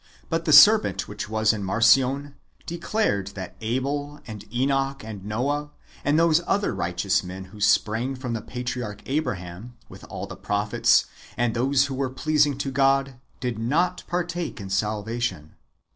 But the serpent which was in Marcion declared that Abel, and Enoch, and Noah, and those other righteous men who sprang^ from the patriarch Abraham, with all the prophets, and those who w^ere pleasing to God, did not partake in salvation.